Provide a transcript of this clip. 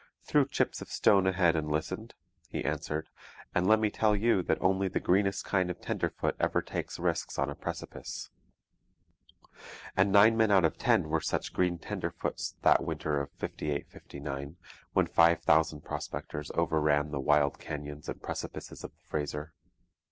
'Threw chips of stone ahead and listened,' he answered, 'and let me tell you that only the greenest kind of tenderfoot ever takes risks on a precipice.' And nine men out of ten were such green tenderfoots that winter of '58 '59, when five thousand prospectors overran the wild canyons and precipices of the Fraser.